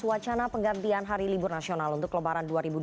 wacana penggantian hari libur nasional untuk lebaran dua ribu dua puluh